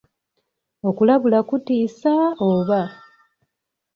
Okulabula kutiisa oba?